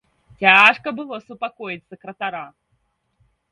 Цяжка было супакоіць сакратара.